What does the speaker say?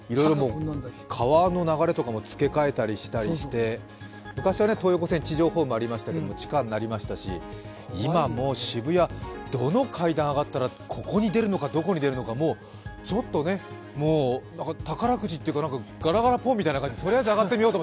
川の流れとかも付け替えたりして、昔は東横線は地上ホームがありましたけど、地下になりましたし、今、もう渋谷、どの階段を上がったらここに出るのか、どこに出るのかちょっともう、宝くじというかガラガラポンみたいな感じで、とりあえず上がってみようって。